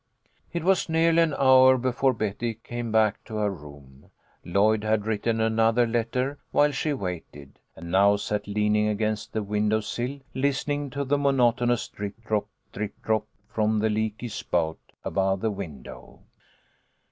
It was nearly an hour before Betty came back to her room. Lloyd had written another letter while she waited, and now sat 8O THE LITTLE COLONEL'S HOLIDAYS. leaning against the window sill, listening to the mcx notonous drip drop drip drop from a leaky spout above the window.